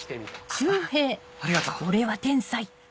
アハありがとう。